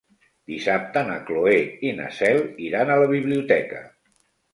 Dissabte na Cloè i na Cel iran a la biblioteca.